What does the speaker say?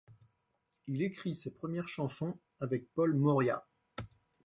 Il écrit ses premières chansons avec Paul Mauriat.